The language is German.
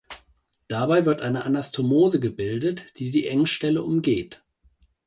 Dabei wird eine Anastomose gebildet, die die Engstelle umgeht.